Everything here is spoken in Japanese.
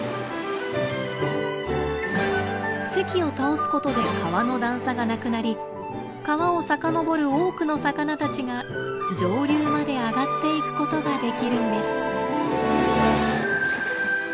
堰を倒すことで川の段差がなくなり川をさかのぼる多くの魚たちが上流まで上がっていくことができるんです。